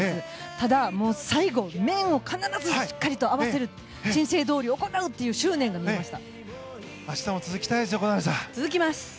ただ、最後面を必ずしっかりと合わせる申請どおり行うという執念がありました。